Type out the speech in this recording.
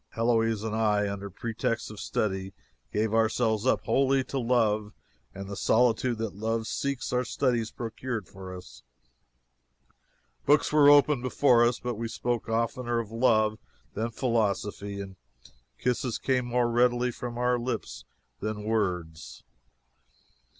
Heloise and I, under pretext of study, gave ourselves up wholly to love, and the solitude that love seeks our studies procured for us. Books were open before us, but we spoke oftener of love than philosophy, and kisses came more readily from our lips than words."